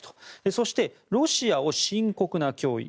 そしてロシアを深刻な脅威